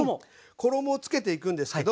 衣をつけていくんですけど。